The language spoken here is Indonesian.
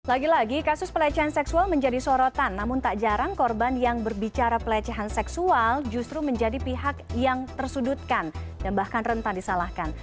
lagi lagi kasus pelecehan seksual menjadi sorotan namun tak jarang korban yang berbicara pelecehan seksual justru menjadi pihak yang tersudutkan dan bahkan rentan disalahkan